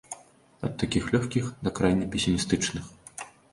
Ад такіх лёгкіх, да крайне песімістычных.